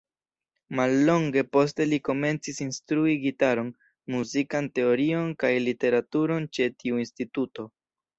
Mallonge poste li komencis instrui gitaron, muzikan teorion kaj literaturon ĉe tiu instituto.